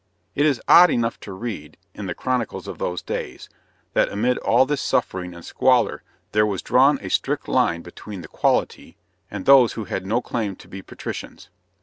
It is odd enough to read, in the chronicles of those days, that amid all this suffering and squalor there was drawn a strict line between "the quality" and those who had no claim to be patricians.